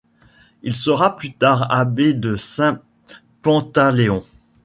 Il sera plus tard abbé de Saint-Pantaleon.